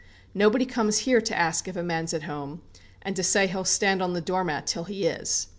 Nobody comes here to ask if a man's at home, and to say he'll stand on the door mat till he is.